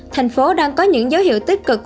thành phố đang có những dấu hiệu tích cực